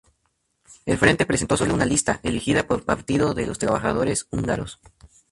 El Frente presentó sólo una lista, elegida por Partido de los Trabajadores Húngaros.